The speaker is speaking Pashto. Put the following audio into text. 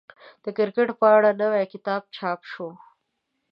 د کرکټ په اړه نوی کتاب چاپ شو.